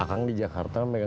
agi baik bagus terima kasih